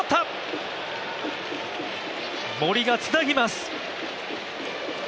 森がつなぎます。